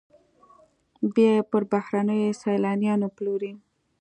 بیا یې پر بهرنیو سیلانیانو پلوري